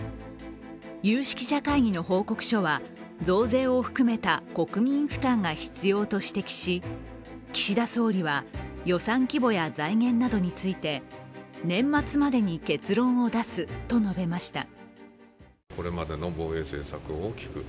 有識者会議の報告書は増税を含めた国民負担が必要と指摘し、岸田総理は予算規模や財源などについて、年末までに結論を出すと述べました。